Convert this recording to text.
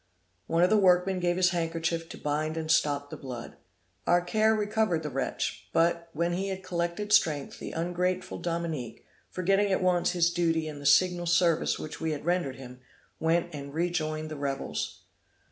One of the workmen gave his handkerchief to bind and stop the blood. Our care recovered the wretch; but, when he had collected strength, the ungrateful Dominique, forgetting at once his duty and the signal service which we had rendered him, went and rejoined the rebels.